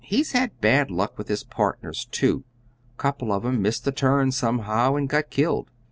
"He's had bad luck with his partners, too," remarked Weitzel. "Couple of 'em missed the turn somehow and got killed.